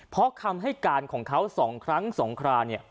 เพราะคำให้การของเขา๒ครั้ง๒คราเนี่ย